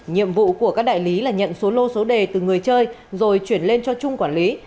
nhiệm vụ của các đại lý là nhận số lô số đề từ người chơi rồi chuyển lên cho trung quản lý